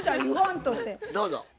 どうぞ。